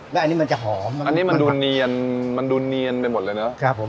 ได้อันนี้มันจะหอมอันนี้มันดูเนียนมันดูเนียนไปหมดเลยเนอะครับผม